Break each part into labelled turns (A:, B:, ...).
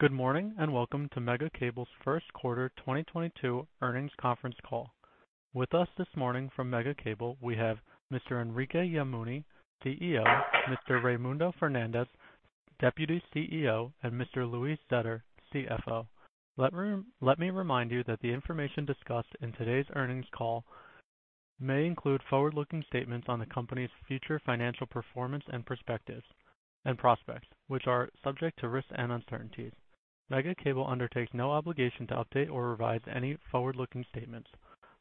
A: Good morning, and welcome to Megacable's first quarter 2022 earnings conference call. With us this morning from Megacable, we have Mr. Enrique Yamuni, CEO, Mr. Raymundo Fernández, Deputy CEO, and Mr. Luis Zetter, CFO. Let me remind you that the information discussed in today's earnings call may include forward-looking statements on the company's future financial performance and perspectives and prospects, which are subject to risks and uncertainties. Megacable undertakes no obligation to update or revise any forward-looking statements.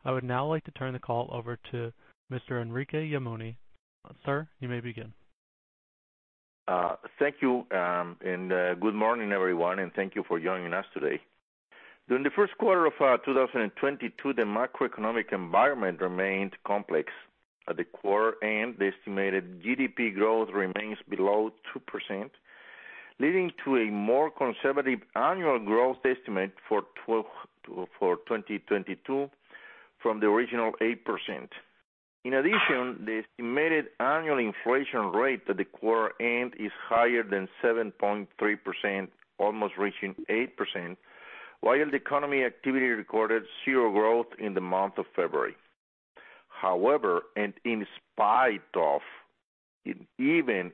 A: I would now like to turn the call over to Mr. Enrique Yamuni. Sir, you may begin.
B: Thank you, and good morning, everyone, and thank you for joining us today. During the first quarter of 2022, the macroeconomic environment remained complex. At the quarter end, the estimated GDP growth remains below 2%, leading to a more conservative annual growth estimate for 2022 from the original 8%. In addition, the estimated annual inflation rate at the quarter end is higher than 7.3%, almost reaching 8%, while the economic activity recorded 0% growth in the month of February. However, even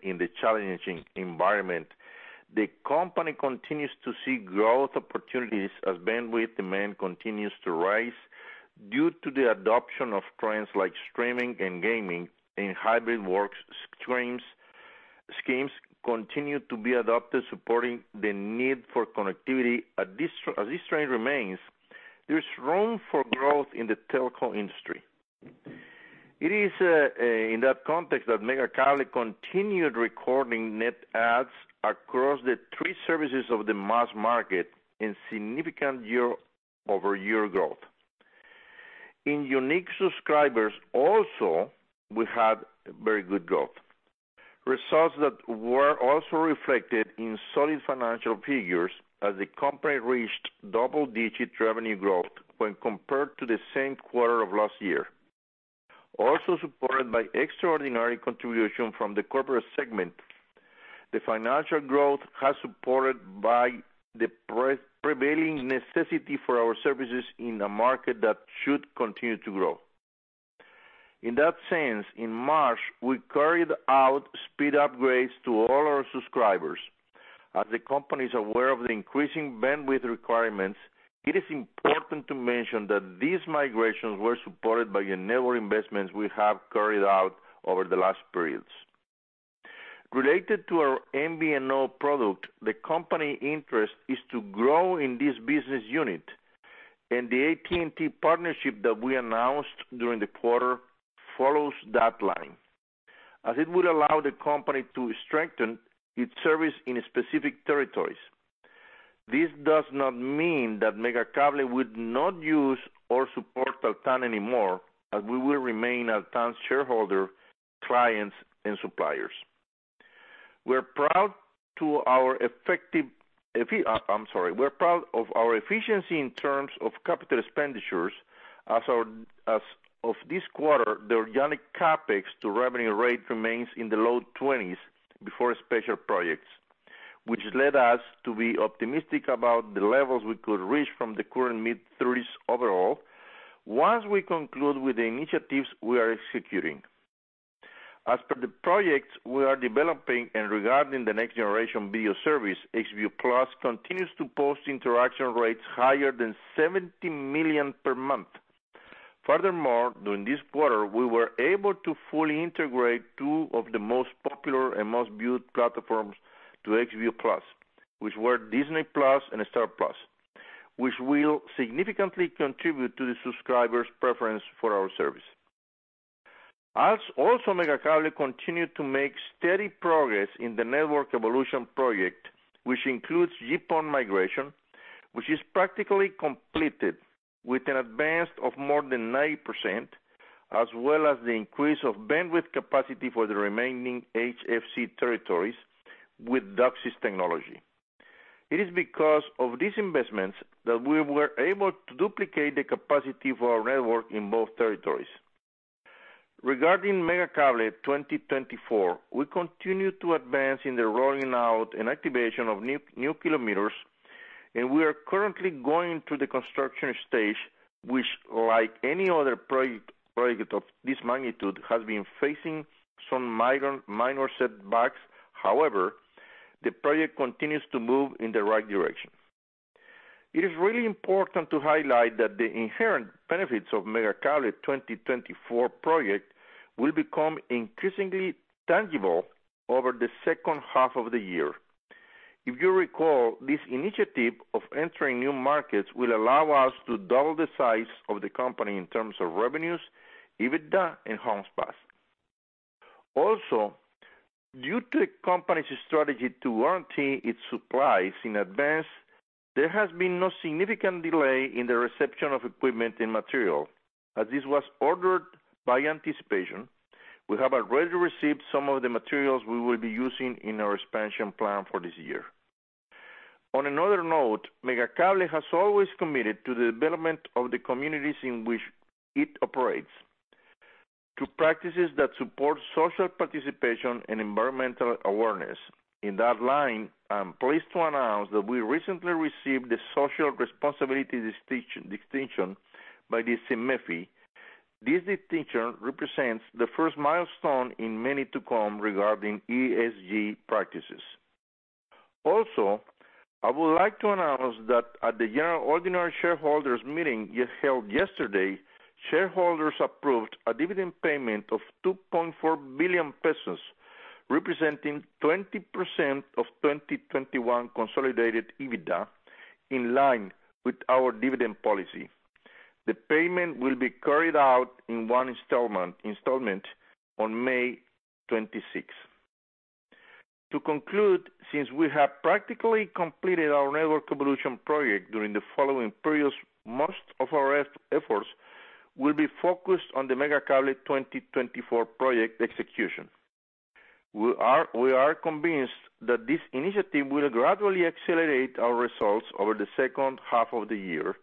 B: in the challenging environment, the company continues to see growth opportunities as bandwidth demand continues to rise due to the adoption of trends like streaming and gaming, and hybrid work schemes continue to be adopted, supporting the need for connectivity. As this trend remains, there's room for growth in the telco industry. It is in that context that Megacable continued recording net adds across the three services of the mass market in significant year-over-year growth. In unique subscribers also, we had very good growth. Results that were also reflected in solid financial figures as the company reached double-digit revenue growth when compared to the same quarter of last year. Also supported by extraordinary contribution from the corporate segment. The financial growth has supported by the prevailing necessity for our services in a market that should continue to grow. In that sense, in March, we carried out speed upgrades to all our subscribers. As the company is aware of the increasing bandwidth requirements, it is important to mention that these migrations were supported by the network investments we have carried out over the last periods. Related to our MVNO product, the company interest is to grow in this business unit. The AT&T partnership that we announced during the quarter follows that line, as it would allow the company to strengthen its service in specific territories. This does not mean that Megacable would not use or support Altán anymore, as we will remain Altán's shareholder, clients, and suppliers. We're proud of our efficiency in terms of capital expenditures as of this quarter, the organic CapEx to revenue rate remains in the low 20s% before special projects, which led us to be optimistic about the levels we could reach from the current mid-30s% overall once we conclude with the initiatives we are executing. As per the projects we are developing and regarding the next-generation video service, Xview+ continues to post interaction rates higher than 70 million per month. Furthermore, during this quarter, we were able to fully integrate two of the most popular and most viewed platforms to Xview+, which were Disney+ and Star+, which will significantly contribute to the subscribers' preference for our service. Also, Megacable continued to make steady progress in the network evolution project, which includes GPON migration, which is practically completed with an advance of more than 90%, as well as the increase of bandwidth capacity for the remaining HFC territories with DOCSIS technology. It is because of these investments that we were able to duplicate the capacity for our network in both territories. Regarding MEGA 2024, we continue to advance in the rolling out and activation of new kilometers, and we are currently going through the construction stage, which like any other project of this magnitude, has been facing some minor setbacks. However, the project continues to move in the right direction. It is really important to highlight that the inherent benefits of MEGA 2024 project will become increasingly tangible over the second half of the year. If you recall, this initiative of entering new markets will allow us to double the size of the company in terms of revenues, EBITDA and OCF. Also, due to the company's strategy to warrant its supplies in advance, there has been no significant delay in the reception of equipment and material. As this was ordered by anticipation, we have already received some of the materials we will be using in our expansion plan for this year. On another note, Megacable has always committed to the development of the communities in which it operates to practices that support social participation and environmental awareness. In that line, I'm pleased to announce that we recently received the Social Responsibility Distinction by the CEMEFI. This distinction represents the first milestone in many to come regarding ESG practices. Also, I would like to announce that at the annual ordinary shareholders meeting held yesterday, shareholders approved a dividend payment of 2.4 billion pesos, representing 20% of 2021 consolidated EBITDA, in line with our dividend policy. The payment will be carried out in one installment on May 26. To conclude, since we have practically completed our network evolution project during the following periods, most of our efforts will be focused on the MEGA 2024 project execution. We are convinced that this initiative will gradually accelerate our results over the second half of the year,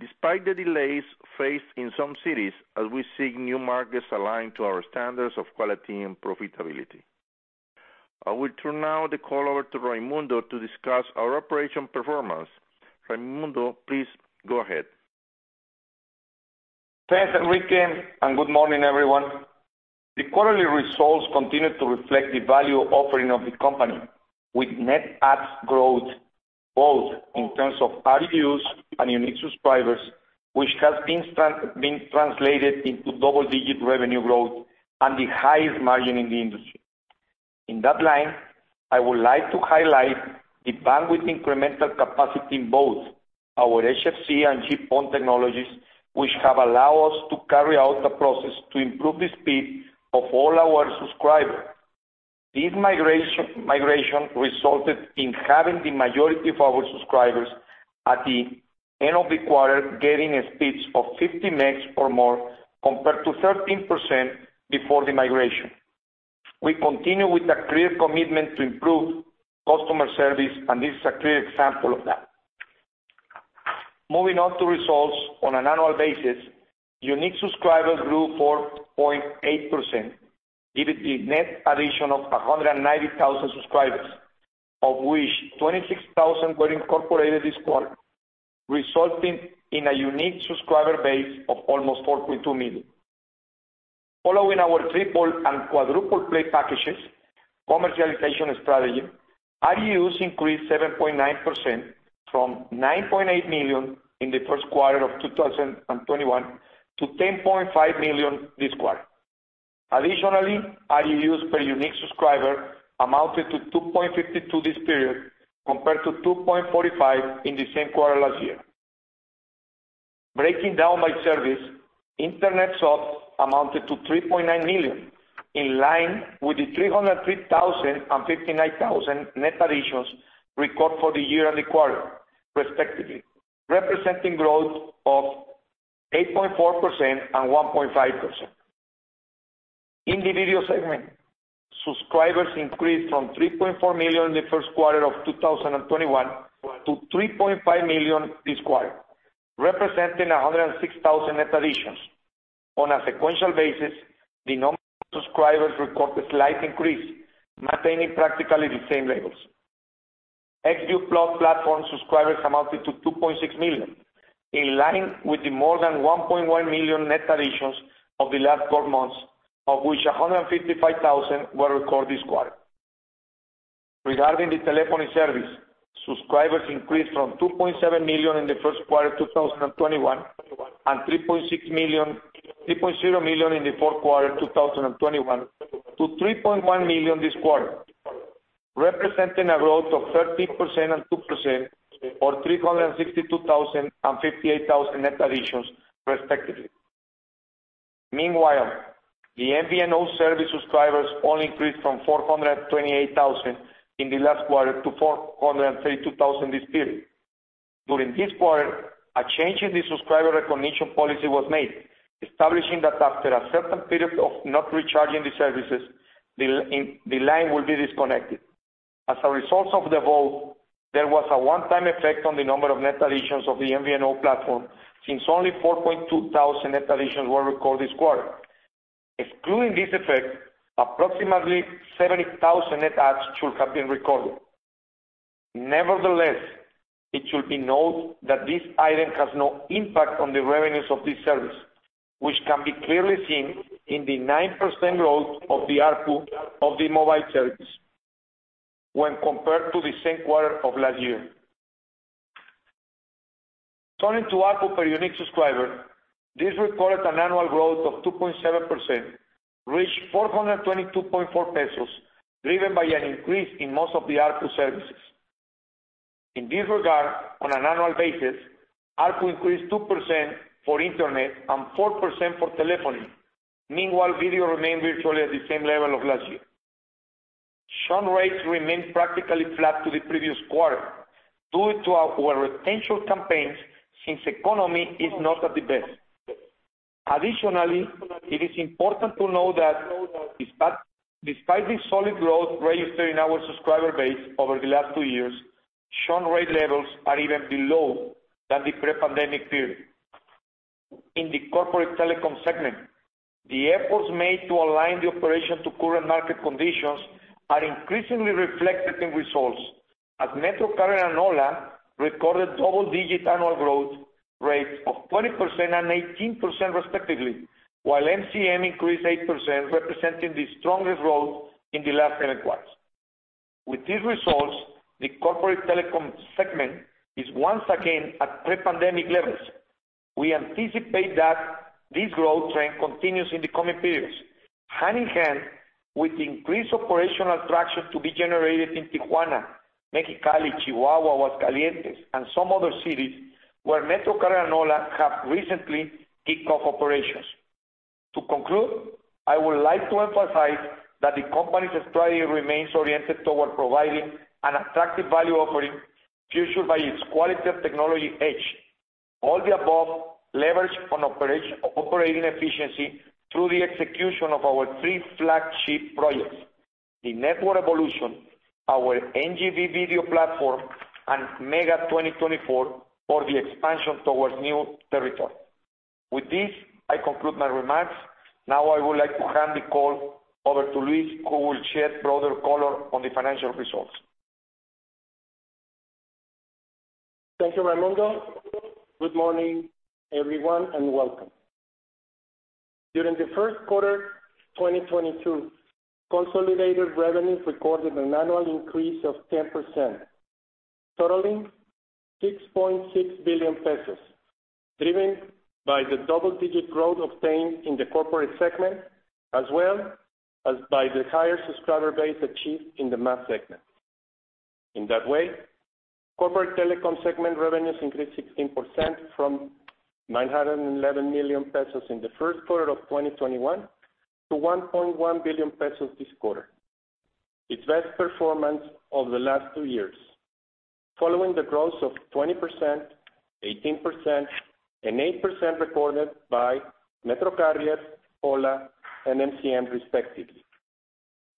B: despite the delays faced in some cities as we seek new markets aligned to our standards of quality and profitability. I will turn now the call over to Raymundo to discuss our operational performance. Raymundo, please go ahead.
C: Thanks, Enrique, and good morning, everyone. The quarterly results continue to reflect the value offering of the company with net adds growth, both in terms of ARPU and unique subscribers, which has been translated into double-digit revenue growth and the highest margin in the industry. In that line, I would like to highlight the bandwidth incremental capacity in both our HFC and GPON technologies, which have allowed us to carry out the process to improve the speed of all our subscribers. This migration resulted in having the majority of our subscribers at the end of the quarter, getting speeds of 50 Mbps or more, compared to 13% before the migration. We continue with a clear commitment to improve customer service, and this is a clear example of that. Moving on to results on an annual basis, unique subscribers grew 4.8%, giving a net addition of 190,000 subscribers, of which 26,000 were incorporated this quarter, resulting in a unique subscriber base of almost 4.2 million. Following our triple and quadruple play packages commercialization strategy, ARPU increased 7.9% from 9.8 million in the first quarter of 2021 to 10.5 million this quarter. Additionally, ARPU per unique subscriber amounted to 2.52 this period, compared to 2.45 in the same quarter last year. Breaking down by service, Internet subs amounted to 3.9 million, in line with the 303,000 and 59,000 net additions recorded for the year and the quarter, respectively, representing growth of 8.4% and 1.5%. In the video segment, subscribers increased from 3.4 million in the first quarter of 2021 to 3.5 million this quarter, representing 106,000 net additions. On a sequential basis, the number of subscribers recorded slight increase, maintaining practically the same levels. Xview+ platform subscribers amounted to 2.6 million, in line with the more than 1.1 million net additions of the last four months, of which 155,000 were recorded this quarter. Regarding the telephony service, subscribers increased from 2.7 million in the first quarter of 2021, and 3.0 million in the fourth quarter of 2021 to 3.1 million this quarter, representing a growth of 13% and 2% or 362,000 and 58,000 net additions respectively. Meanwhile, the MVNO service subscribers only increased from 428,000 in the last quarter to 432,000 this period. During this quarter, a change in the subscriber recognition policy was made, establishing that after a certain period of not recharging the services, the line will be disconnected. As a result of the roll, there was a one-time effect on the number of net additions of the MVNO platform, since only 4.2 thousand net additions were recorded this quarter. Excluding this effect, approximately 70,000 net adds should have been recorded. Nevertheless, it should be noted that this item has no impact on the revenues of this service, which can be clearly seen in the 9% growth of the ARPU of the mobile service when compared to the same quarter of last year. Turning to ARPU per unique subscriber, this recorded an annual growth of 2.7%, reached 422.4 pesos, driven by an increase in most of the ARPU services. In this regard, on an annual basis, ARPU increased 2% for Internet and 4% for telephony. Meanwhile, video remained virtually at the same level of last year. Churn rates remained practically flat to the previous quarter due to our retention campaigns since economy is not at the best. Additionally, it is important to know that despite the solid growth registered in our subscriber base over the last two years. Churn rate levels are even below than the pre-pandemic period. In the corporate telecom segment, the efforts made to align the operation to current market conditions are increasingly reflected in results. As MetroCarrier and ho1a recorded double-digit annual growth rate of 20% and 18% respectively, while MCM increased 8% representing the strongest growth in the last eight months. With these results, the corporate telecom segment is once again at pre-pandemic levels. We anticipate that this growth trend continues in the coming periods, hand-in-hand with increased operational traction to be generated in Tijuana, Mexicali, Chihuahua, and some other cities where MetroCarrier and ho1a have recently kicked off operations. To conclude, I would like to emphasize that the company's strategy remains oriented toward providing an attractive value offering, fueled by its quality of technology edge. All the above leverage operational efficiency through the execution of our three flagship projects, the network evolution, our NGV video platform, and MEGA 2024 for the expansion towards new territory. With this, I conclude my remarks. Now, I would like to hand the call over to Luis, who will shed broader color on the financial results.
D: Thank you, Raymundo. Good morning, everyone, and welcome. During the first quarter 2022, consolidated revenues recorded an annual increase of 10%, totaling 6.6 billion pesos, driven by the double-digit growth obtained in the corporate segment, as well as by the higher subscriber base achieved in the mass segment. In that way, corporate telecom segment revenues increased 16% from 911 million pesos in the first quarter of 2021 to 1.1 billion pesos this quarter. Its best performance over the last two years. Following the growth of 20%, 18%, and 8% recorded by MetroCarrier, hola, and MCM, respectively.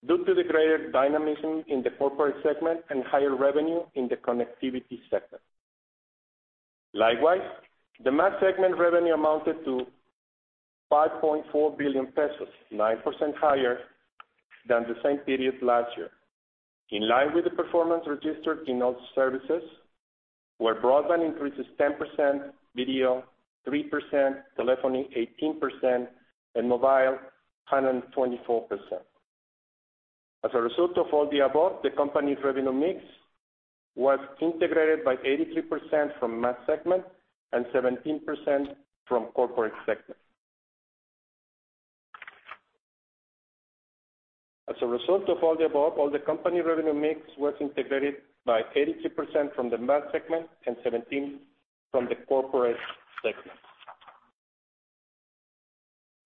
D: Due to the greater dynamism in the corporate segment and higher revenue in the connectivity sector. Likewise, the mass segment revenue amounted to 5.4 billion pesos, 9% higher than the same period last year. In line with the performance registered in all services, where broadband increases 10%, video 3%, telephony 18%, and mobile 124%. As a result of all the above, the company's revenue mix was integrated by 83% from mass segment and 17% from corporate segment.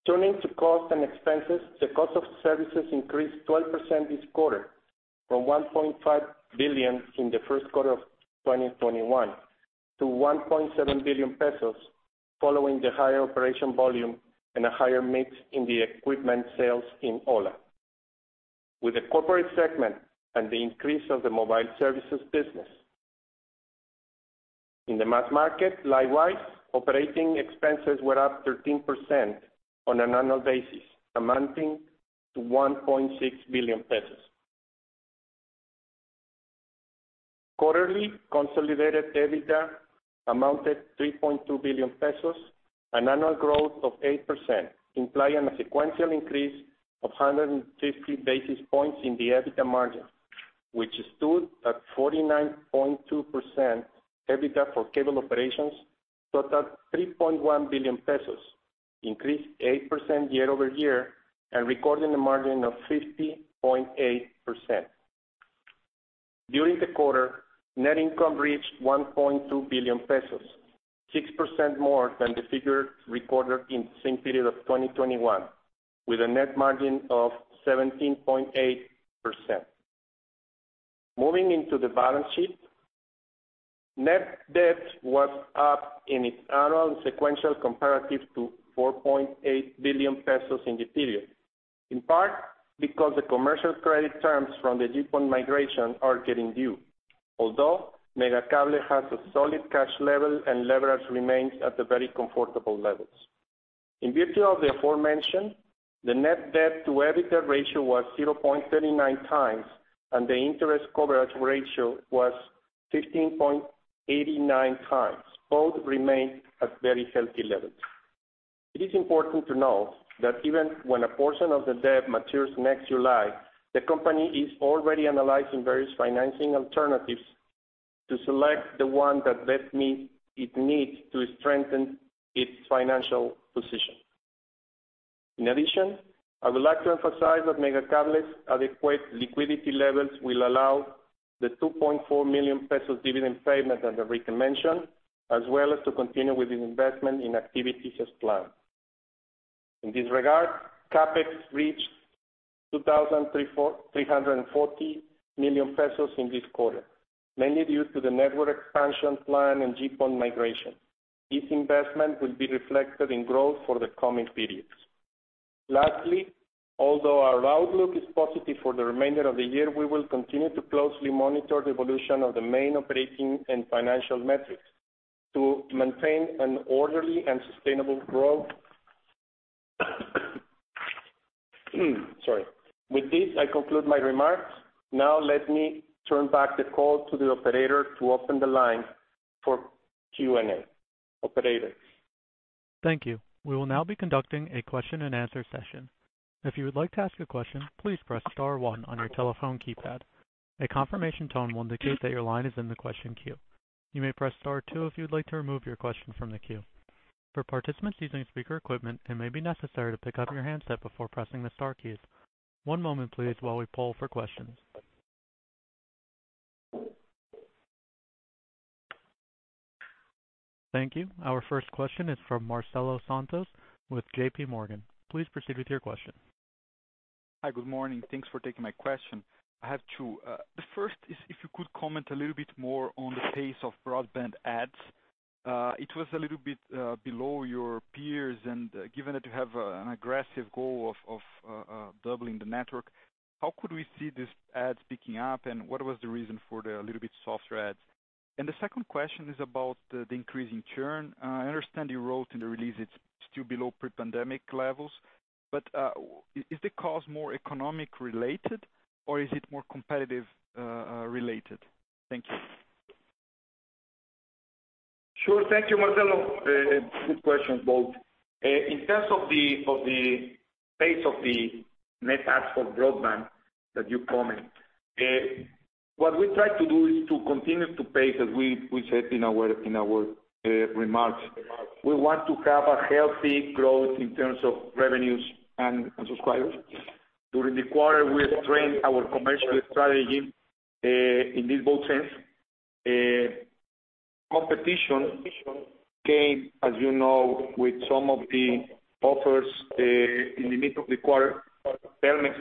D: Turning to costs and expenses, the cost of services increased 12% this quarter, from 1.5 billion in the first quarter of 2021 to 1.7 billion pesos, following the higher operation volume and a higher mix in the equipment sales in ho1a. With the corporate segment and the increase of the mobile services business. In the mass market, likewise, operating expenses were up 13% on an annual basis, amounting to MXN 1.6 billion. Quarterly consolidated EBITDA amounted to 3.2 billion pesos, an annual growth of 8%, implying a sequential increase of 150 basis points in the EBITDA margin, which stood at 49.2%. EBITDA for cable operations totaled 3.1 billion pesos, increased 8% year-over-year, and recording a margin of 50.8%. During the quarter, net income reached 1.2 billion pesos, 6% more than the figure recorded in the same period of 2021, with a net margin of 17.8%. Moving into the balance sheet, net debt was up in its annual and sequential comparative to 4.8 billion pesos in the period. In part because the commercial credit terms from the GPON migration are getting due. Although Megacable has a solid cash level, and leverage remains at the very comfortable levels. In virtue of the aforementioned, the net debt to EBITDA ratio was 0.39 times, and the interest coverage ratio was 15.89 times, both remain at very healthy levels. It is important to note that even when a portion of the debt matures next July, the company is already analyzing various financing alternatives to select the one that best meets its needs to strengthen its financial position. In addition, I would like to emphasize that Megacable's adequate liquidity levels will allow the 2.4 million pesos dividend payment that Enrique mentioned, as well as to continue with the investment in activities as planned. In this regard, CapEx reached 2,340 million pesos in this quarter, mainly due to the network expansion plan and GPON migration. This investment will be reflected in growth for the coming periods. Lastly, although our outlook is positive for the remainder of the year, we will continue to closely monitor the evolution of the main operating and financial metrics to maintain an orderly and sustainable growth. Sorry. With this, I conclude my remarks. Now let me turn back the call to the operator to open the line for Q&A. Operator?
A: Thank you. We will now be conducting a question and answer session. If you would like to ask a question, please press star one on your telephone keypad. A confirmation tone will indicate that your line is in the question queue. You may press star two if you'd like to remove your question from the queue. For participants using speaker equipment, it may be necessary to pick up your handset before pressing the star keys. One moment please while we poll for questions. Thank you. Our first question is from Marcelo Santos with JP Morgan. Please proceed with your question.
E: Hi. Good morning. Thanks for taking my question. I have two. The first is if you could comment a little bit more on the pace of broadband adds. It was a little bit below your peers, and given that you have an aggressive goal of doubling the network, how could we see these adds picking up? What was the reason for the little bit softer adds? The second question is about the increasing churn. I understand you wrote in the release it's still below pre-pandemic levels, but is the cause more economic related or is it more competitive related? Thank you.
C: Sure. Thank you, Marcelo. Good questions, both. In terms of the pace of the net adds for broadband that you comment, what we try to do is to continue to pace as we said in our remarks. We want to have a healthy growth in terms of revenues and subscribers. During the quarter, we have adjusted our commercial strategy in both senses. Competition came, as you know, with some of the offers in the middle of the quarter. Telmex,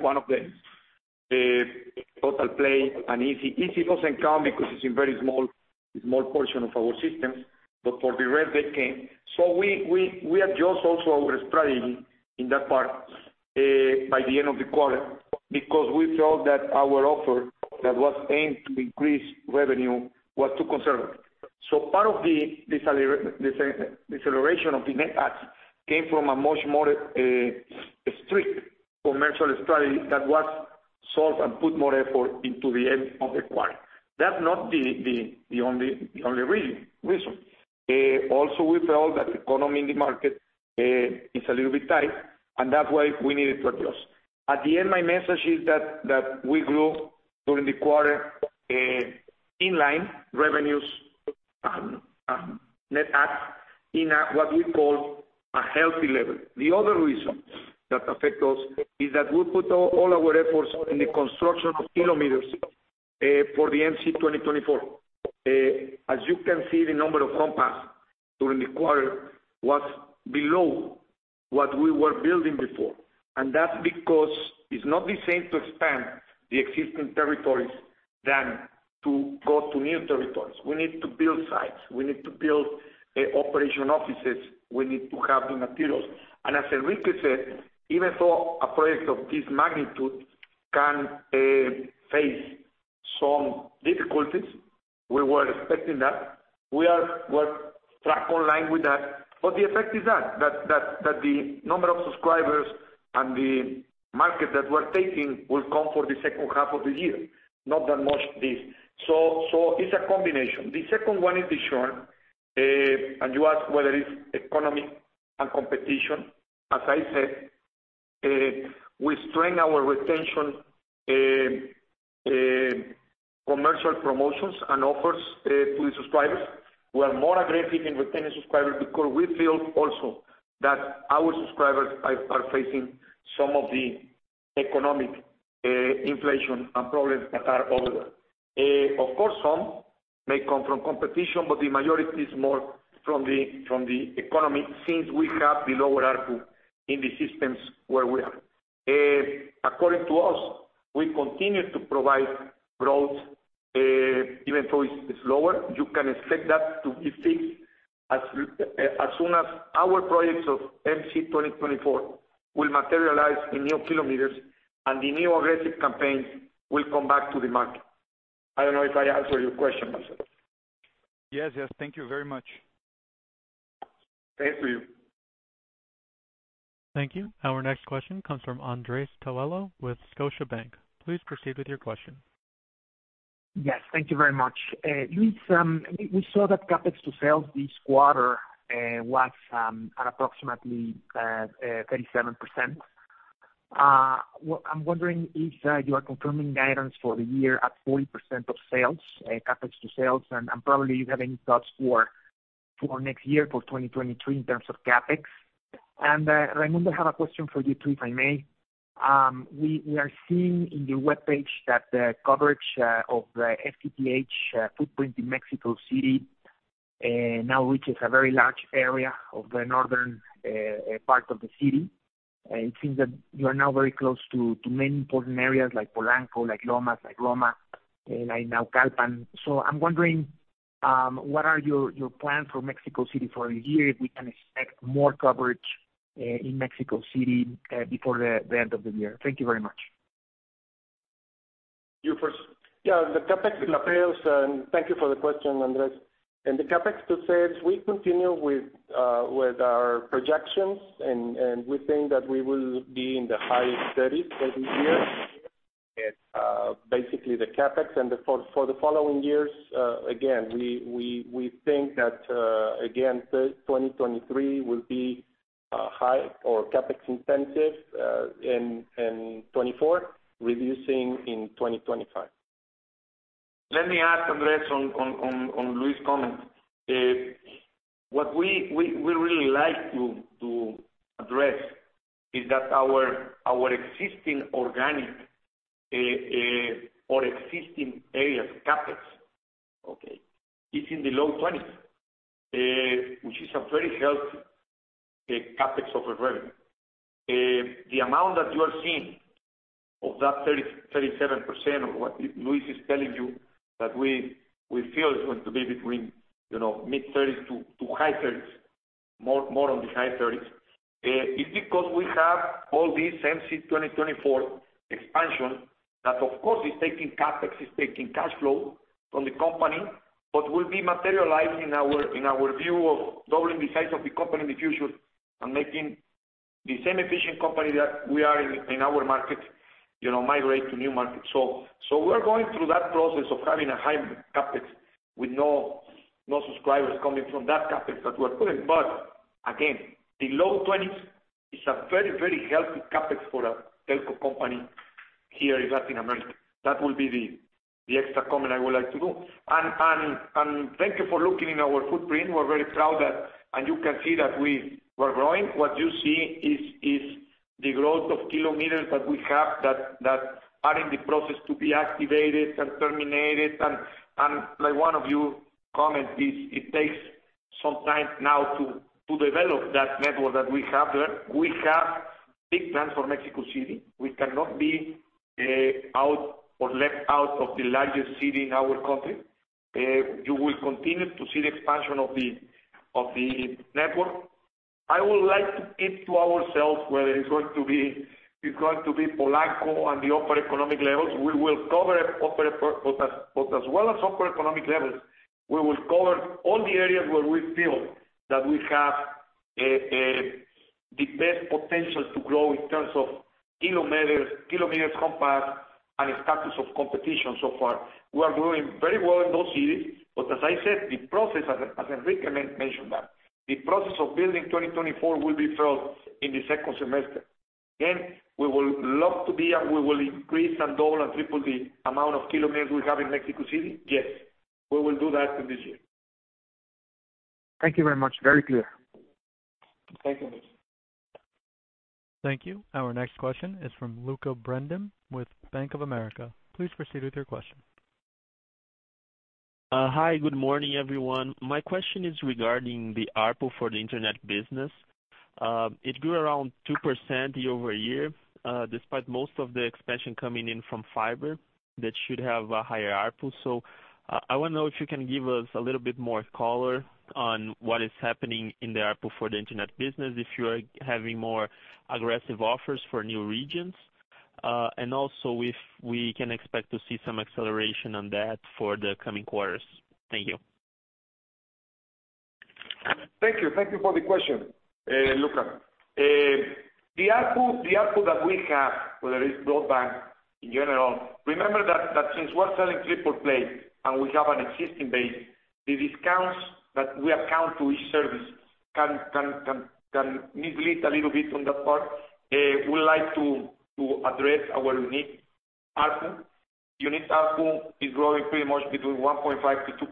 C: Totalplay, and izzi. Izzi doesn't count because it's a very small portion of our systems. For the rest, they came. We adjust also our strategy in that part by the end of the quarter, because we felt that our offer that was aimed to increase revenue was too conservative. Part of the celebration of the net adds came from a much more strict commercial strategy that was solved and put more effort into the end of the quarter. That's not the only reason. Also we felt that the economy in the market is a little bit tight, and that's why we needed to adjust. At the end, my message is that we grew during the quarter in-line revenues net adds in what we call a healthy level. The other reasons that affect us is that we put all our efforts in the construction of kilometers for the MEGA 2024. As you can see, the number of homes passed during the quarter was below what we were building before. That's because it's not the same to expand the existing territories than to go to new territories. We need to build sites. We need to build operation offices. We need to have the materials. As Enrique said, even for a project of this magnitude can face some difficulties, we were expecting that. We are on track with that. The effect is that the number of subscribers and the market share that we're taking will come for the second half of the year, not that much this. It's a combination. The second one is the churn. You ask whether it's economy and competition. As I said, we strengthen our retention, commercial promotions and offers to the subscribers. We are more aggressive in retaining subscribers because we feel also that our subscribers are facing some of the economic, inflation and problems that are over there. Of course, some may come from competition, but the majority is more from the economy since we have the lower ARPU in the systems where we are. According to us, we continue to provide growth, even though it's slower. You can expect that to be fixed as soon as our projects of MEGA 2024 will materialize in new kilometers and the new aggressive campaign will come back to the market. I don't know if I answered your question, Marcelo.
E: Yes. Yes. Thank you very much.
C: Thank you.
A: Thank you. Our next question comes from Andres Coello with Scotiabank. Please proceed with your question.
F: Yes. Thank you very much. Luis, we saw that CapEx to sales this quarter was at approximately 37%. What I'm wondering is, you are confirming guidance for the year at 40% of sales, CapEx to sales, and probably you have any thoughts for next year, for 2023 in terms of CapEx. Raymundo, I have a question for you too, if I may. We are seeing in your webpage that the coverage of the FTTH footprint in Mexico City now reaches a very large area of the northern part of the city. It seems that you are now very close to many important areas like Polanco, like Lomas, like Roma, like Naucalpan. I'm wondering what are your plans for Mexico City for this year? If we can expect more coverage in Mexico City before the end of the year? Thank you very much.
D: You first.
C: Yeah. The CapEx.
D: The CapEx.
C: Thank you for the question, Andres. The CapEx to sales, we continue with our projections and we think that we will be in the high thirties for this year. Basically the CapEx for the following years, again, we think that through 2023 will be high CapEx intensive, and 2024 reducing in 2025. Let me add, Andres, on Luis' comments. What we really like to address is that our existing organic or existing areas CapEx, okay, is in the low twenties, which is a very healthy CapEx to revenue. The amount that you are seeing of that 37% of what Luis is telling you that we feel is going to be between, you know, mid-30s% to high 30s%, more on the high 30s%, is because we have all these MEGA 2024 expansion that of course is taking CapEx, is taking cash flow from the company, but will be materialized in our view of doubling the size of the company in the future and making the same efficient company that we are in our market, you know, migrate to new markets. We're going through that process of having a high CapEx with no subscribers coming from that CapEx that we're putting. Again, the low 20s% is a very healthy CapEx for a telco company here in Latin America. That will be the extra comment I would like to do. Thank you for looking in our footprint. We're very proud that you can see that we were growing. What you see is the growth of kilometers that we have that are in the process to be activated and terminated. Like one of you commented, it takes some time now to develop that network that we have there. We have big plans for Mexico City. We cannot be out or left out of the largest city in our country. You will continue to see the expansion of the network. I would like to keep to ourselves whether it's going to be Polanco on the upper economic levels. We will cover lower, but as well as upper economic levels. We will cover all the areas where we feel that we have the best potential to grow in terms of kilometers, CapEx and the status of competition so far. We are doing very well in those cities, but as I said, as Enrique mentioned that, the process of MEGA 2024 will be felt in the second semester. Again, we would love to be and we will increase and double and triple the amount of kilometers we have in Mexico City, yes. We will do that in this year.
F: Thank you very much. Very clear.
C: Thank you.
A: Thank you. Our next question is from Lucca Brendim with Bank of America. Please proceed with your question.
G: Hi. Good morning, everyone. My question is regarding the ARPU for the internet business. It grew around 2% year-over-year, despite most of the expansion coming in from fiber, that should have a higher ARPU. I wanna know if you can give us a little bit more color on what is happening in the ARPU for the internet business, if you are having more aggressive offers for new regions. Also if we can expect to see some acceleration on that for the coming quarters. Thank you.
C: Thank you. Thank you for the question, Lucca. The ARPU that we have, whether it's broadband in general, remember that since we're selling triple play and we have an existing base, the discounts that we account to each service can mislead a little bit on that part. We like to address our unique ARPU. Unique ARPU is growing pretty much between 1.5%-2%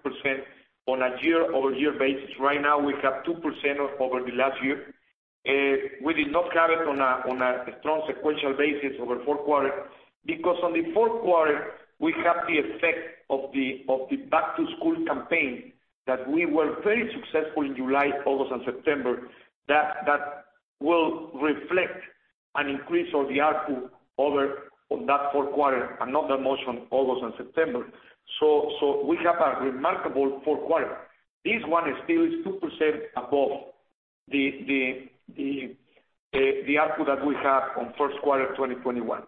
C: on a year-over-year basis. Right now we have 2% over the last year. We did not have it on a strong sequential basis over fourth quarter because on the fourth quarter we have the effect of the back to school campaign that we were very successful in July, August and September that will reflect an increase of the ARPU over on that fourth quarter and not that much on August and September. We have a remarkable fourth quarter. This one is still 2% above the ARPU that we have on first quarter 2021.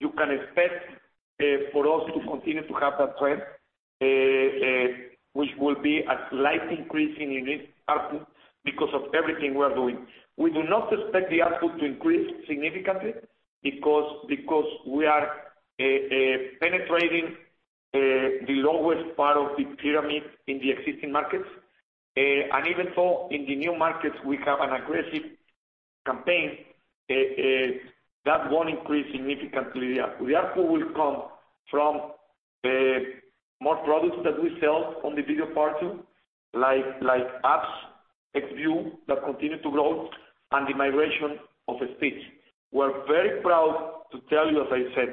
C: You can expect for us to continue to have that trend, which will be a slight increase in unique ARPU because of everything we are doing. We do not expect the ARPU to increase significantly because we are penetrating the lowest part of the pyramid in the existing markets. Even so, in the new markets we have an aggressive campaign that won't increase significantly the ARPU. The ARPU will come from more products that we sell on the video part too, like apps, Xview that continue to grow and the migration of speeds. We're very proud to tell you, as I said,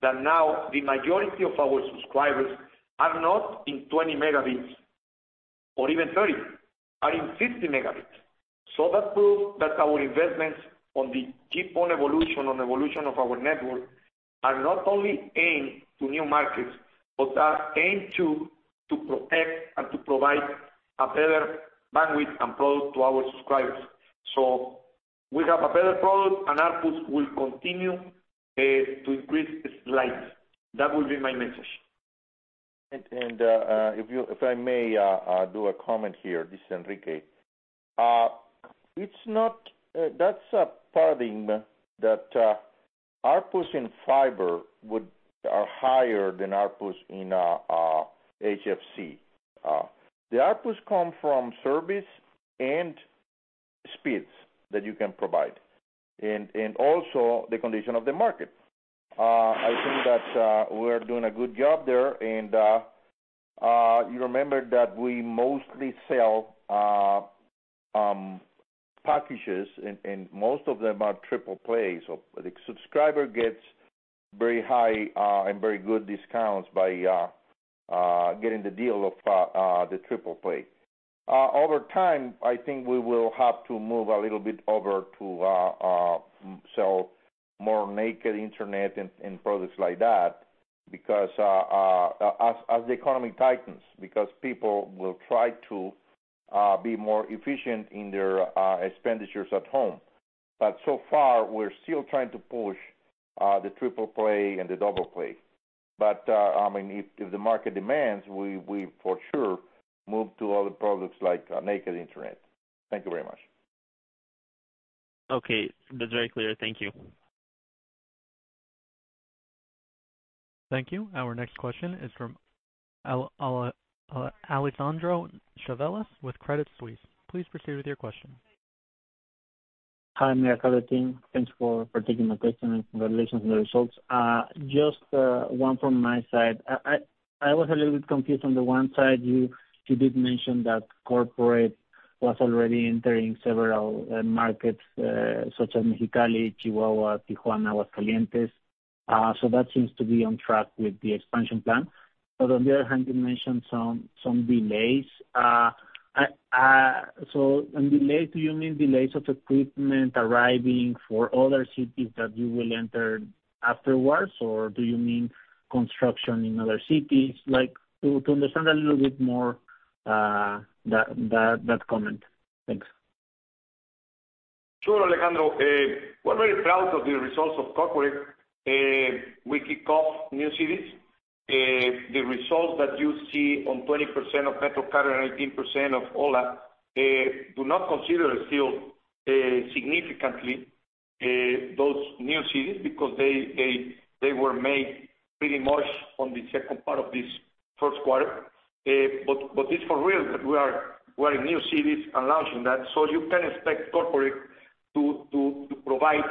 C: that now the majority of our subscribers are not in 20 Mbps or even 30 Mbps, are in 50 Mbps. That proves that our investments on the evolution of our network are not only aimed to new markets, but are aimed to protect and to provide a better bandwidth and product to our subscribers. We have a better product, and ARPU will continue to increase slightly. That would be my message.
B: If I may do a comment here. This is Enrique. It's not. That's a paradigm that ARPU in fiber are higher than ARPU in HFC. The ARPU come from service and speeds that you can provide and also the condition of the market. I think that we're doing a good job there and you remember that we mostly sell packages and most of them are triple plays. The subscriber gets very high and very good discounts by getting the deal of the triple play. Over time, I think we will have to move a little bit over to sell more naked internet and products like that because as the economy tightens, because people will try to be more efficient in their expenditures at home. So far, we're still trying to push the triple play and the double play. I mean, if the market demands, we for sure move to other products like naked internet. Thank you very much.
G: Okay. That's very clear. Thank you.
A: Thank you. Our next question is from Alejandro Chavelas with Credit Suisse. Please proceed with your question.
H: Hi, Megacable team. Thanks for taking my question and congratulations on the results. Just one from my side. I was a little bit confused on the one side, you did mention that corporate was already entering several markets such as Mexicali, Chihuahua, Tijuana, Aguascalientes. That seems to be on track with the expansion plan. On the other hand, you mentioned some delays. When delays, do you mean delays of equipment arriving for other cities that you will enter afterwards, or do you mean construction in other cities? Like, to understand a little bit more, that comment. Thanks.
C: Sure, Alejandro. We're very proud of the results of corporate. We kick off new cities. The results that you see on 20% of Mexicali and 18% of ho1a do not consider still significantly those new cities because they were made pretty much on the second part of this first quarter. It's for real that we are in new cities and launching that. You can expect corporate to provide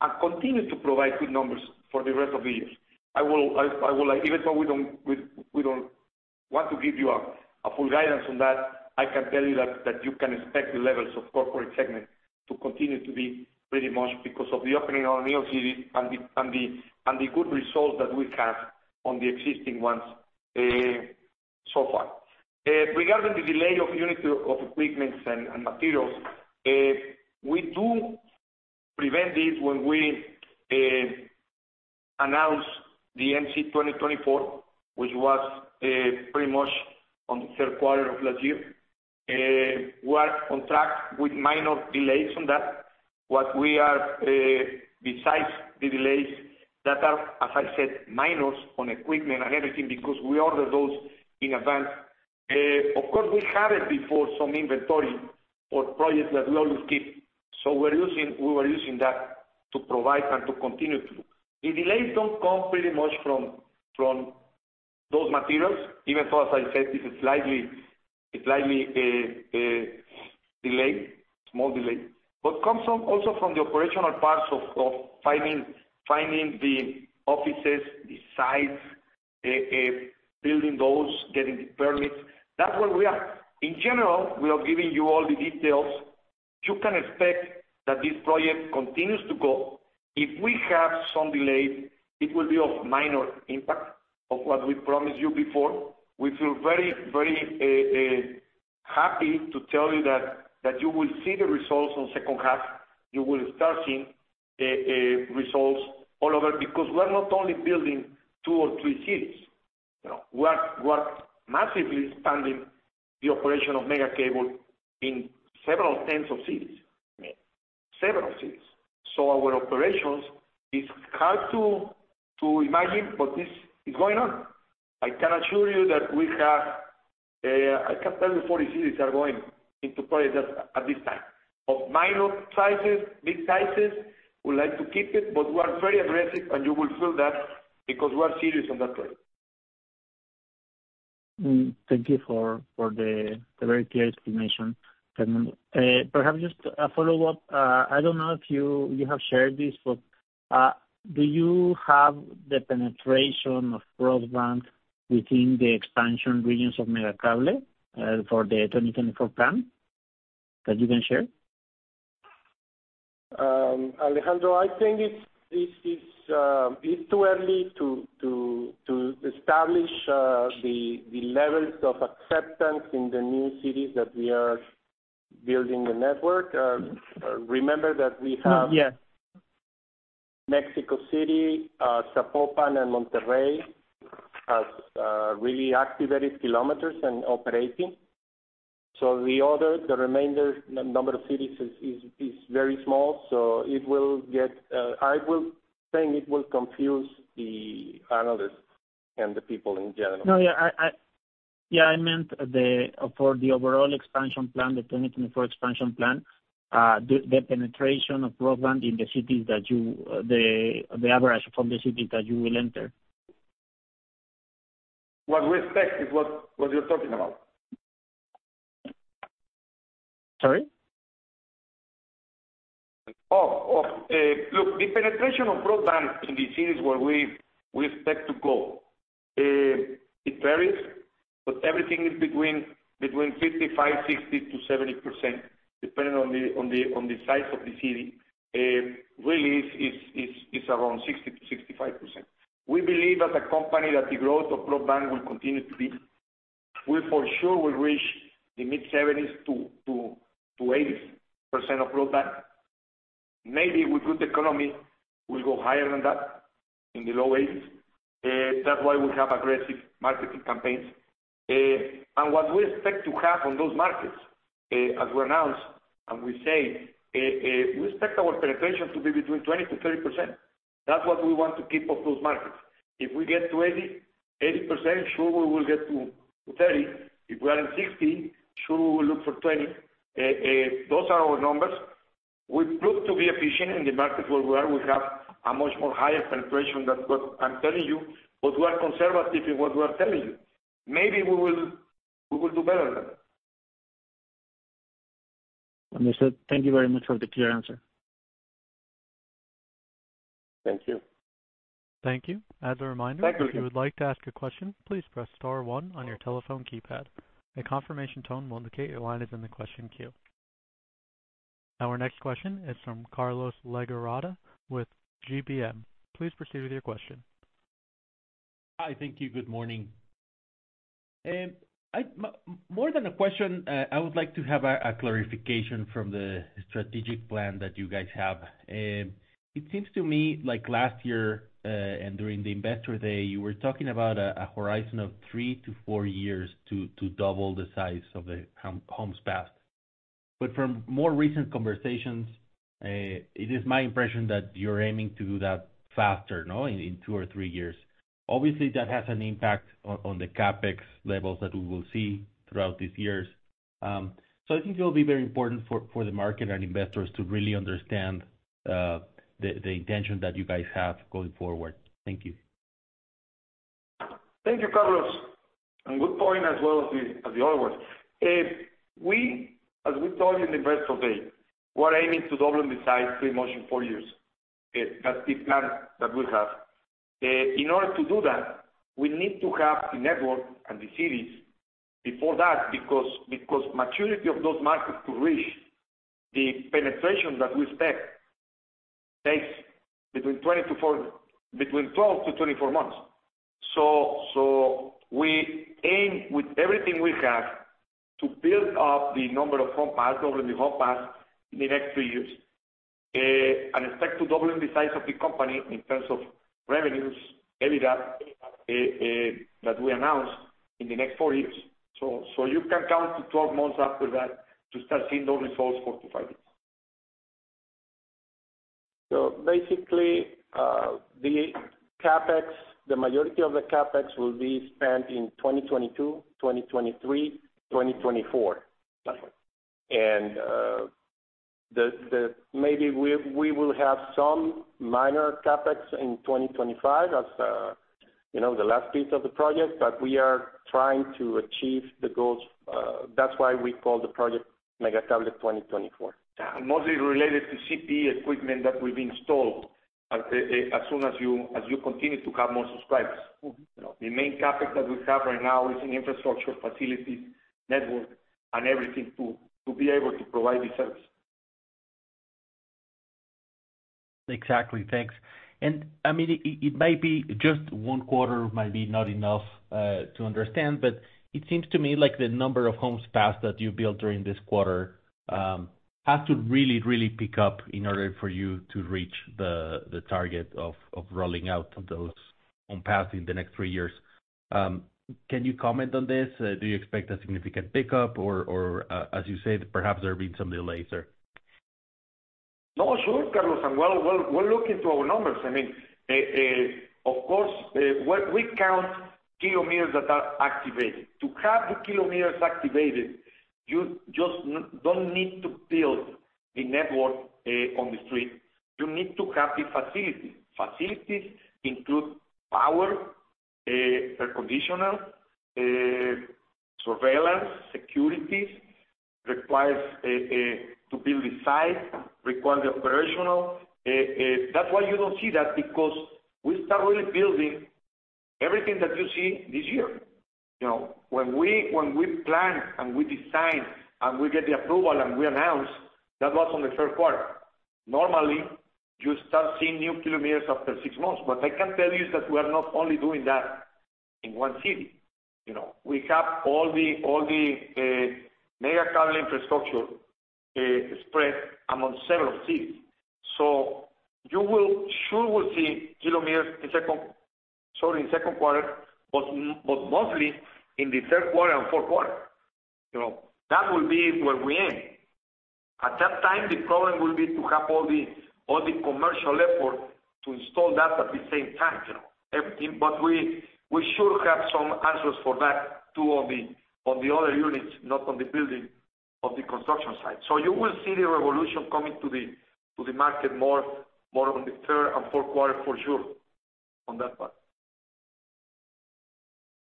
C: and continue to provide good numbers for the rest of the years. I will even though we don't want to give you a full guidance on that, I can tell you that you can expect the levels of corporate segment to continue to be pretty much because of the opening of new cities and the good results that we've had on the existing ones, so far. Regarding the delay of units of equipment and materials, we did predict this when we announced the MEGA 2024, which was pretty much on the third quarter of last year. We are on track with minor delays on that. What we are besides the delays that are, as I said, minor on equipment and everything because we order those in advance. Of course, we had it before some inventory for projects that we always keep. We were using that to provide and to continue to. The delays don't come pretty much from those materials, even though, as I said, this is slightly delayed, small delay. Comes from also from the operational parts of finding the offices, the sites, building those, getting the permits. That's where we are. In general, we are giving you all the details. You can expect that this project continues to go. If we have some delays, it will be of minor impact of what we promised you before. We feel very happy to tell you that you will see the results on second half. You will start seeing results all over because we're not only building 2 or 3 cities. You know, we're massively expanding the operation of Megacable in several tens of cities. Several cities. Our operations, it's hard to imagine, but this is going on. I can assure you that we have, I can tell you 40 cities are going into projects at this time. Of minor sizes, big sizes, we like to keep it, but we are very aggressive and you will feel that because we are serious on that plan.
H: Thank you for the very clear explanation, Fernando. Perhaps just a follow-up. I don't know if you have shared this, but do you have the penetration of broadband within the expansion regions of Megacable for the 2024 plan that you can share?
C: Alejandro, I think it's too early to establish the levels of acceptance in the new cities that we are building the network. Remember that we have-
H: Yes.
C: Mexico City, Zapopan and Monterrey has really activated kilometers and operating. The remainder number of cities is very small, so it will get, I will think it will confuse the analysts and the people in general.
H: No, yeah. Yeah, I meant for the overall expansion plan, the 2024 expansion plan, the penetration of broadband in the cities, the average from the cities that you will enter.
C: What we expect is what you're talking about.
H: Sorry?
C: Look, the penetration of broadband in the cities where we expect to go, it varies. Everything is between 55-60 to 70%, depending on the size of the city. Really is around 60-65%. We believe as a company that the growth of broadband will continue to be. We for sure will reach the mid-70s to 80s% of broadband. Maybe with good economy, we'll go higher than that, in the low 80s. That's why we have aggressive marketing campaigns. What we expect to have on those markets, as we announced and we say, we expect our penetration to be between 20-30%. That's what we want to keep up those markets. If we get to 80%, sure we will get to 30%. If we are in 60%, sure we will look for 20%. Those are our numbers. We proved to be efficient in the markets where we are. We have a much more higher penetration than what I'm telling you, but we are conservative in what we are telling you. Maybe we will do better than that.
H: Understood. Thank you very much for the clear answer.
C: Thank you.
A: Thank you. As a reminder.
C: Thank you.
A: If you would like to ask a question, please press star one on your telephone keypad. A confirmation tone will indicate your line is in the question queue. Our next question is from Carlos Legorreta with GBM. Please proceed with your question.
I: Hi. Thank you. Good morning. More than a question, I would like to have a clarification from the strategic plan that you guys have. It seems to me like last year and during the investor day, you were talking about a horizon of 3 years-4 years to double the size of the homes passed. From more recent conversations, it is my impression that you're aiming to do that faster, no? In two or three years. Obviously, that has an impact on the CapEx levels that we will see throughout these years. I think it'll be very important for the market and investors to really understand the intention that you guys have going forward. Thank you.
C: Thank you, Carlos. Good point as well as the other one. As we told you in the Investor Day, we're aiming to double in size in three, mostly four years. That's the plan that we have. In order to do that, we need to have the network and the cities before that because maturity of those markets to reach the penetration that we expect takes between 12 months-24 months. We aim with everything we have to build up the number of homes passed, double the homes passed in the next three years, and expect to double the size of the company in terms of revenues, EBITDA, that we announced in the next four years. You can count to 12 months after that to start seeing those results for five years.
I: Basically, the CapEx, the majority of the CapEx will be spent in 2022, 2023, 2024.
C: That's right.
I: Maybe we will have some minor CapEx in 2025 as you know, the last piece of the project, but we are trying to achieve the goals. That's why we call the project Megacable 2024.
C: Yeah. Mostly related to CPE equipment that will be installed as soon as you continue to have more subscribers.
I: Mm-hmm.
C: You know, the main CapEx that we have right now is in infrastructure, facilities, network and everything to be able to provide the service.
I: Exactly. Thanks. I mean, it might be just one quarter might be not enough to understand, but it seems to me like the number of homes passed that you built during this quarter has to really pick up in order for you to reach the target of rolling out those homes passed in the next three years. Can you comment on this? Do you expect a significant pickup or, as you said, perhaps there have been some delays there?
C: No, sure, Carlos. We're looking to our numbers. I mean, of course, we count kilometers that are activated. To have the kilometers activated, you just don't need to build the network on the street. You need to have the facilities. Facilities include power, air conditioner, surveillance, security. Requires to build the site, requires the operational. That's why you don't see that because we start really building everything that you see this year. You know, when we plan and we design and we get the approval and we announce, that was on the third quarter. Normally, you start seeing new kilometers after six months. I can tell you that we are not only doing that in one city, you know. We have all the Megacable infrastructure spread among several cities. You will surely see kilometers in second quarter, but mostly in the third quarter and fourth quarter. You know, that will be where we aim. At that time, the problem will be to have all the commercial effort to install that at the same time, you know, everything. But we sure have some answers for that too, on the other units, not on the building, on the construction site. You will see the revolution coming to the market more on the third and fourth quarter for sure on that part.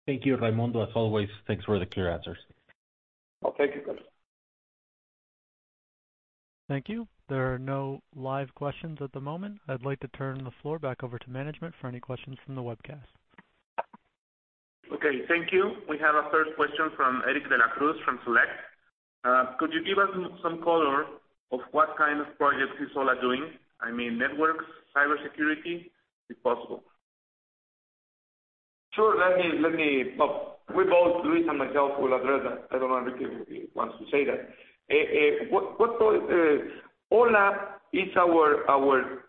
I: Thank you, Raymundo. As always, thanks for the clear answers.
C: Oh, thank you, Carlos.
A: Thank you. There are no live questions at the moment. I'd like to turn the floor back over to management for any questions from the webcast.
J: Okay, thank you. We have a first question from Eric de la Cruz from Select. Could you give us some color on what kind of projects ho1a is doing? I mean, networks, cybersecurity, if possible.
C: Sure. Let me. Well, we both, Luis and myself will address that. I don't know if he wants to say that. ho1a is our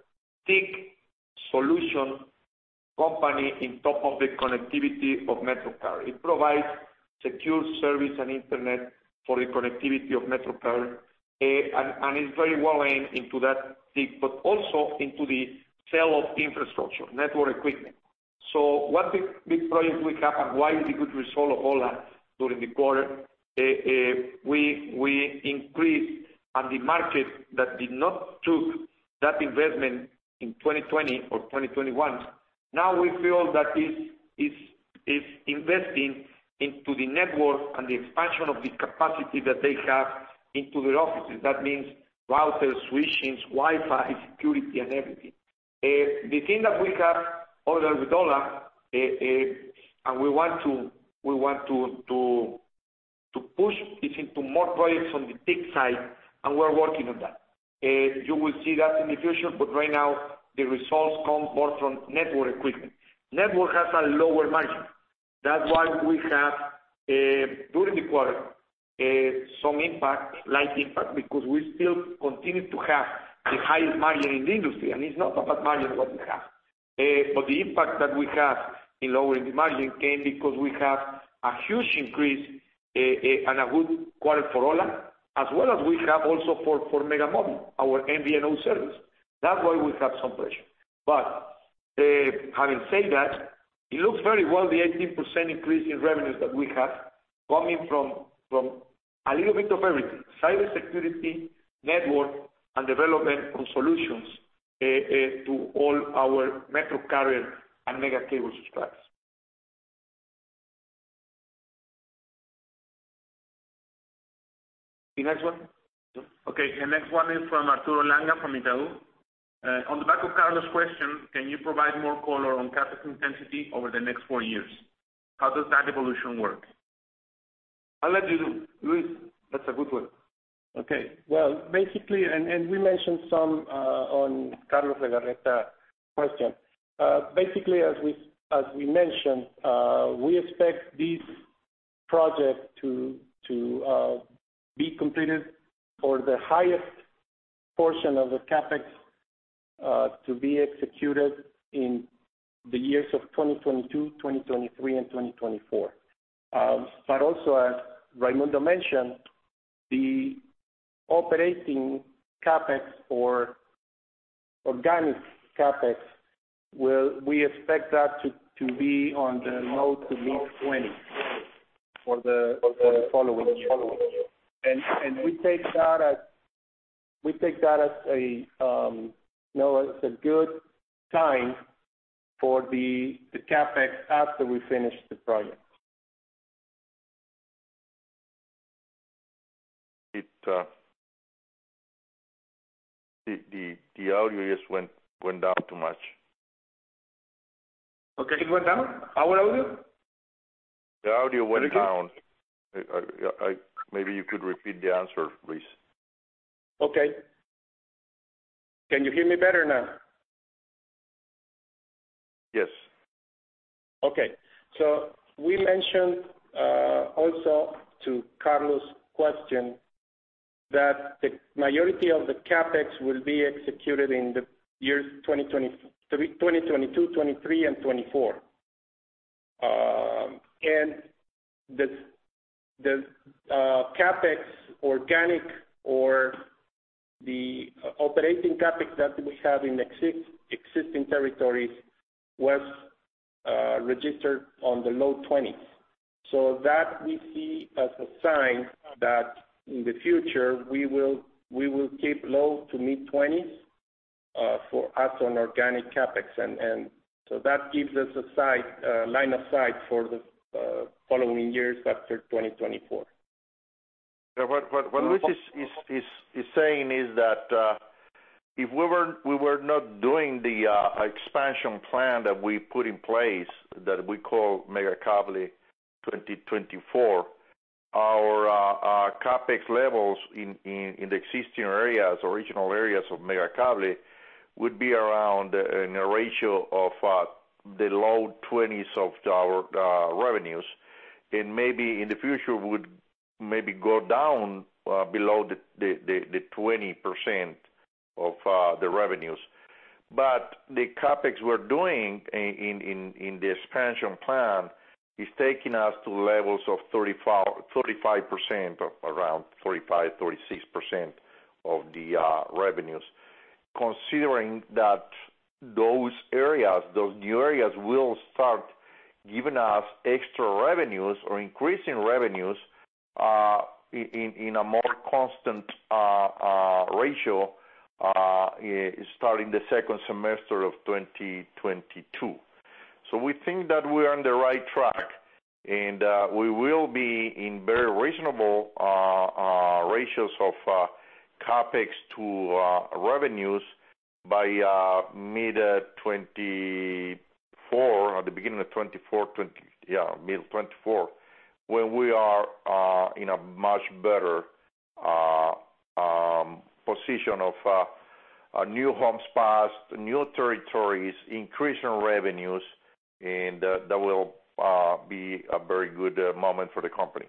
C: TIC solution company on top of the connectivity of MetroCarrier. It provides secure service and internet for the connectivity of MetroCarrier, and it's very well into that TIC, but also into the sale of infrastructure, network equipment. What big projects we have and why is the good result of ho1a during the quarter. We increased on the market that did not took that investment in 2020 or 2021. Now we feel that it's investing into the network and the expansion of the capacity that they have into their offices. That means routers, switches, Wi-Fi, security and everything. The thing that we have ordered with ho1a, and we want to push it into more projects on the TIC side, and we're working on that. You will see that in the future, but right now the results come more from network equipment. Network has a lower margin. That's why we have, during the quarter, some impact, light impact, because we still continue to have the highest margin in the industry, and it's not a bad margin what we have. But the impact that we have in lowering the margin came because we have a huge increase, and a good quarter for ho1a, as well as for Megamóvil, our MVNO service. That's why we have some pressure. having said that, it looks very well the 18% increase in revenues that we have coming from a little bit of everything, cybersecurity, network and development of solutions to all our MetroCarrier and Megacable subscribers. The next one.
J: Okay. The next one is from Arturo Langa, from Itaú. On the back of Carlos' question, can you provide more color on CapEx intensity over the next four years? How does that evolution work?
C: I'll let you do, Luis. That's a good one.
D: Okay. Well, basically, we mentioned some on Carlos Legorreta question. Basically as we mentioned, we expect these projects to be completed for the highest portion of the CapEx to be executed in the years of 2022, 2023 and 2024. But also as Raymundo mentioned, the operating CapEx or organic CapEx, we expect that to be on the low- to mid-20s for the following year. We take that as a, you know, as a good sign for the CapEx after we finish the project.
B: The audio just went down too much.
C: Okay. It went down? Our audio?
B: The audio went down.
C: Can you hear?
B: Maybe you could repeat the answer, please.
C: Okay. Can you hear me better now?
B: Yes.
D: Okay. We mentioned also to Carlos' question that the majority of the CapEx will be executed in the years 2022, 2023 and 2024. The CapEx organic or the operating CapEx that we have in existing territories was registered in the low 20s. That we see as a sign that in the future we will keep low- to mid-20s for us on organic CapEx and so that gives us a line of sight for the following years after 2024. Yeah. What Luis is saying is that if we were not doing the expansion plan that we put in place, that we call Megacable 2024.
B: Our CapEx levels in the existing areas or regional areas of Megacable would be around in a ratio of the low 20s% of $ revenues. Maybe in the future would maybe go down below the 20% of the revenues. The CapEx we're doing in the expansion plan is taking us to levels of 35%, around 35%-36% of the revenues. Considering that those areas, those new areas will start giving us extra revenues or increasing revenues in a more constant ratio starting the second semester of 2022. We think that we're on the right track, and we will be in very reasonable ratios of CapEx to revenues by mid-2024 or the beginning of 2024. Yeah, mid-2024, when we are in a much better position of new homes passed, new territories, increasing revenues, and that will be a very good moment for the company.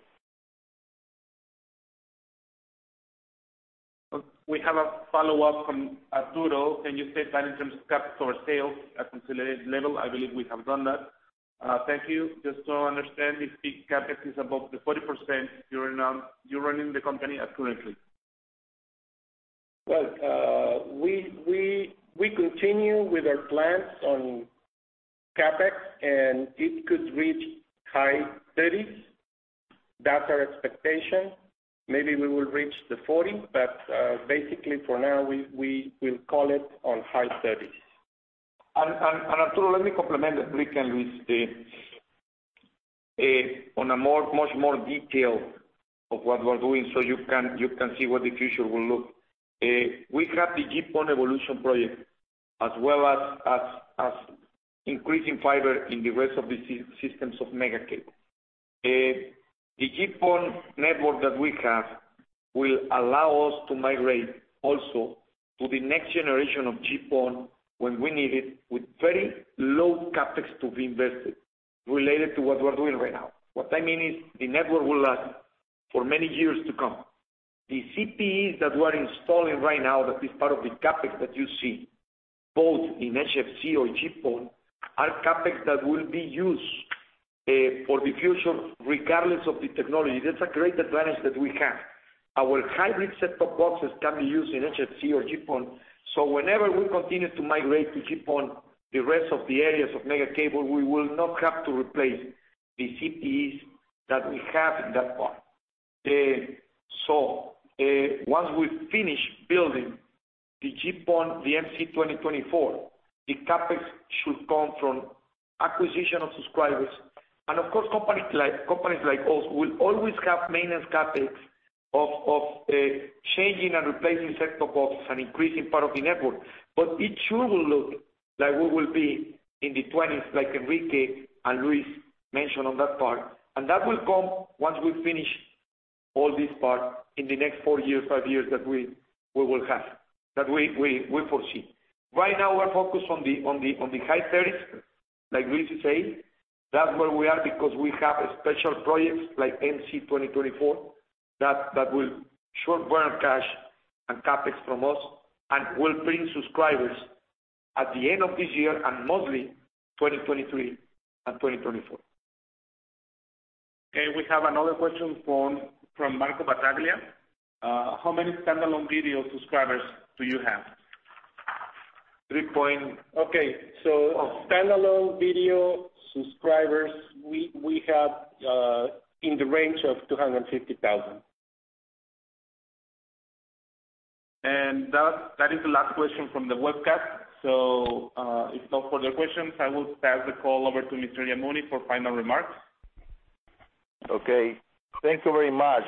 J: We have a follow-up from Arturo Langa. Can you say that in terms of CapEx over sales at consolidated level? I believe we have done that. Thank you. Just to understand if the CapEx is above the 40% you're running the company at currently.
C: We continue with our plans on CapEx, it could reach high 30s. That's our expectation. Maybe we will reach the 40, but basically for now, we will call it on high 30s.
B: Arturo, let me compliment Enrique and Luis in much more detail of what we're doing so you can see what the future will look like. We have the GPON evolution project as well as increasing fiber in the rest of the systems of Megacable. The GPON network that we have will allow us to migrate also to the next generation of GPON when we need it with very low CapEx to be invested related to what we're doing right now. What I mean is the network will last for many years to come. The CPE that we're installing right now, that is part of the CapEx that you see, both in HFC or GPON, are CapEx that will be used for the future regardless of the technology. That's a great advantage that we have. Our hybrid set-top boxes can be used in HFC or GPON. Whenever we continue to migrate to GPON, the rest of the areas of Megacable, we will not have to replace the CPEs that we have in that part. Once we finish building the GPON, the MEGA 2024, the CapEx should come from acquisition of subscribers. Of course, companies like us will always have maintenance CapEx of changing and replacing set-top boxes and increasing part of the network. It sure will look like we will be in the 20s, like Enrique and Luis mentioned on that part. That will come once we finish all this part in the next four years, five years that we will have, that we foresee. Right now, we're focused on the high thirties, like Luis is saying. That's where we are because we have special projects like MEGA 2024 that will sure burn cash and CapEx from us and will bring subscribers at the end of this year and mostly 2023 and 2024.
J: Okay, we have another question from Marco Battaglia. How many standalone video subscribers do you have?
B: Three point-
C: Standalone video subscribers, we have in the range of 250,000.
J: That is the last question from the webcast. If no further questions, I will pass the call over to Mr. Raymundo for final remarks.
B: Okay. Thank you very much.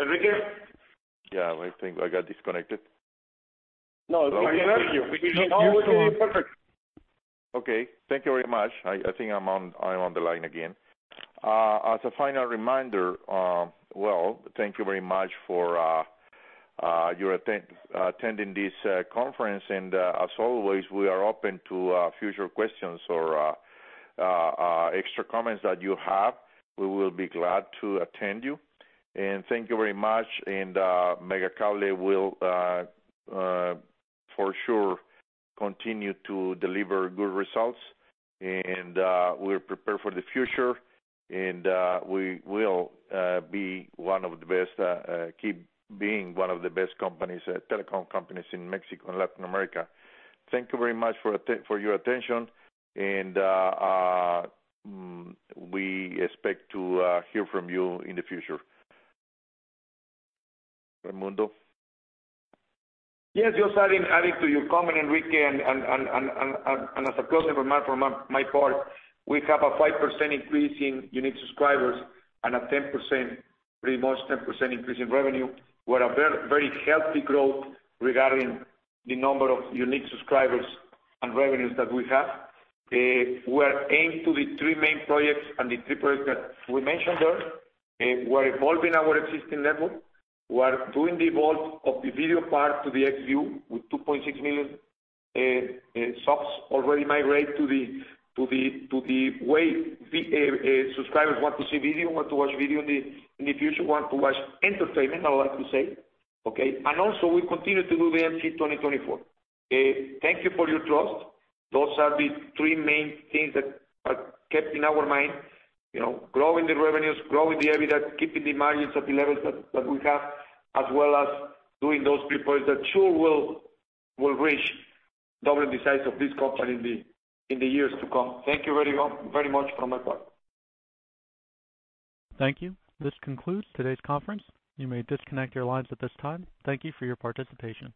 C: Enrique?
B: Yeah. I think I got disconnected.
C: No, we can hear you. We can hear you perfect.
B: Okay. Thank you very much. I think I'm on the line again. As a final reminder, well, thank you very much for your attending this conference. As always, we are open to future questions or extra comments that you have. We will be glad to attend you. Thank you very much. Megacable will for sure continue to deliver good results. We're prepared for the future. We will be one of the best, keep being one of the best telecom companies in Mexico and Latin America. Thank you very much for your attention. We expect to hear from you in the future. Raymundo?
C: Yes, just adding to your comment, Enrique, and a closing remark from my part. We have a 5% increase in unique subscribers and a 10%, pretty much 10% increase in revenue. We're a very healthy growth regarding the number of unique subscribers and revenues that we have. We are aimed to the three main projects that we mentioned there. We're evolving our existing network. We're doing the evolve of the video part to the Xview with 2.6 million subs already migrate to the subscribers want to see video, want to watch video in the future, want to watch entertainment, I like to say. Okay. Also, we continue to do the MEGA 2024. Thank you for your trust. Those are the three main things that are kept in our mind. You know, growing the revenues, growing the EBITDA, keeping the margins at the levels that we have, as well as doing those three projects that sure will reach double the size of this company in the years to come. Thank you very much from my part.
A: Thank you. This concludes today's conference. You may disconnect your lines at this time. Thank you for your participation.